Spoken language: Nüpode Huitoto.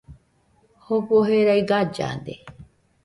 Jofo jerai gallade